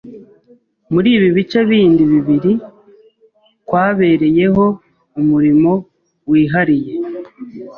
muri ibi bice bindi bibiri, kwabereyeho umurimo wihariye.